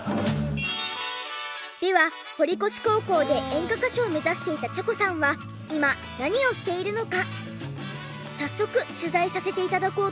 では堀越高校で演歌歌手を目指していた茶子さんは今何をしているのか？